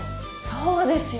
そうですよ